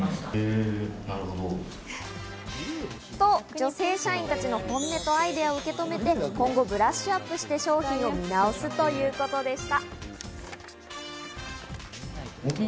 女性社員たちの本音とアイデアを受け止めて今後、ブラッシュアップして商品を見直すということでした。